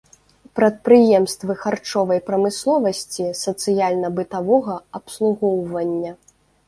Прадпрыемствы харчовай прамысловасці, сацыяльна-бытавога абслугоўвання.